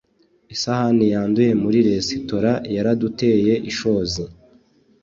isahani yanduye muri resitora yaraduteye ishozi